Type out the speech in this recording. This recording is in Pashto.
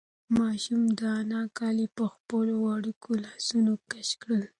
ماشوم د انا کالي په خپلو وړوکو لاسونو کش کړل.